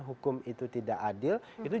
hukum itu tidak adil itu